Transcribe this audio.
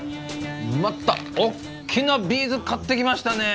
またおっきなビーズ買ってきましたね。